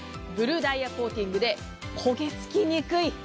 ブルーダイヤコーティングで焦げつきにくい。